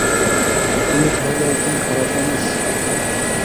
তুমি তাহলে একজন খারাপ মানুষ?